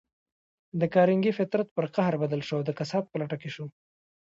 د کارنګي فطرت پر قهر بدل شو او د کسات په لټه کې شو.